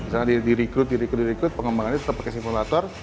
jadi di rekrut di rekrut di rekrut pengembangannya tetap pakai simulator